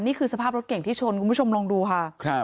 นี่คือสภาพรถเก่งที่ชนคุณผู้ชมลองดูค่ะ